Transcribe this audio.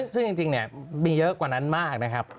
ซึ่งจริงมีเยอะกว่านั้นมากนะครับ